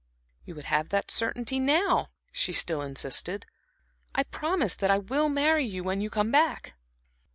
"You would have that certainty now," she still insisted. "I promise that I will marry you when you come back."